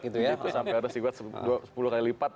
itu sampai harus dibuat sepuluh kali lipat